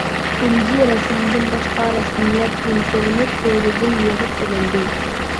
تۇنجى رەسىمدىن باشقا رەسىملەر ئىنتېرنېت تورىدىن يىغىپ ئېلىندى.